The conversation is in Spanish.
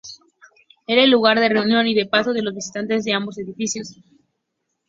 Era el lugar de reunión y de paso de los visitantes de ambos edificios.